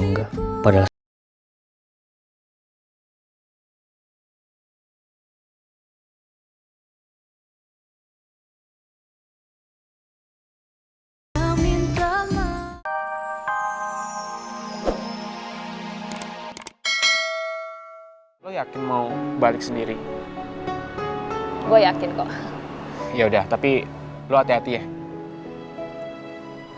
enggak pada lalu yakin mau balik sendiri gue yakin kok ya udah tapi lu hati hati ya